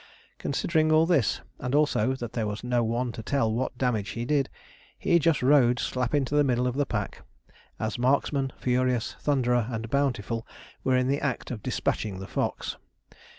Considering all this, and also that there was no one to tell what damage he did, he just rode slap into the middle of the pack, as Marksman, Furious, Thunderer, and Bountiful were in the act of despatching the fox.